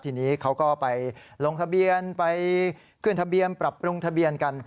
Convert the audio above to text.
ทีนี้เขาก็ไปลงทะเบียนไปขึ้นทะเบียนปรับปรุงทะเบียนกัน